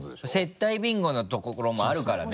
接待ビンゴのところもあるからね